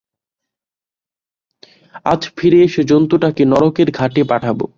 আর ফিরে এসে জন্তুটাকে নরকের ঘাটে পাঠাবো।